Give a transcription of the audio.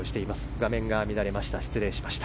画面が乱れました。